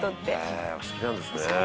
「へえお好きなんですね」